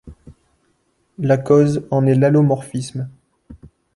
La cause en est l'allomorphisme.